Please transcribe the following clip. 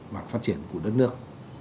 và phát triển của đất nước